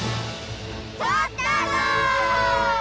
とったど！